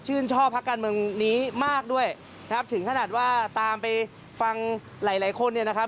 ชอบพักการเมืองนี้มากด้วยนะครับถึงขนาดว่าตามไปฟังหลายหลายคนเนี่ยนะครับ